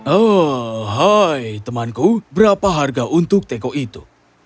oh hai temanku berapa harga untuk teko itu